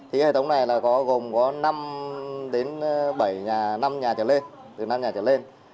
hệ thống này gồm năm bảy nhà năm nhà trở lên